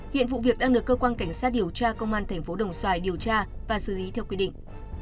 hiện vụ việc đang được cơ quan cảnh sát điều tra công an thành phố đồng xoài điều tra và xử lý theo quy định